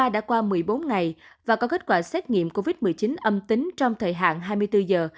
đã qua một mươi bốn ngày và có kết quả xét nghiệm covid một mươi chín âm tính trong thời hạn hai mươi bốn giờ